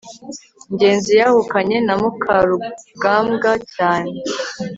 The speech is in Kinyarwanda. ngenzi yahukanye na mukarugambwa cyane